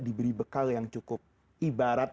diberi bekal yang cukup ibarat